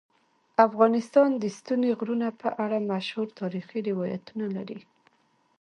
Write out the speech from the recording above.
افغانستان د ستوني غرونه په اړه مشهور تاریخی روایتونه لري.